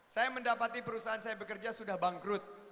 saya mendapati perusahaan saya bekerja sudah bangkrut